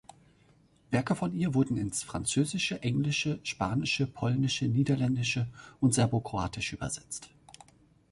Werke von ihr wurden ins Französische, Englische, Spanische, Polnische, Niederländische und Serbokroatische übersetzt.